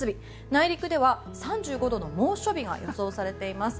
内陸では３５度の猛暑日が予想されています。